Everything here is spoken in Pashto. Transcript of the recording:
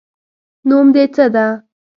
نوم د څه ده